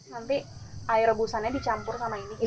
nanti air rebusannya dicampur sama ini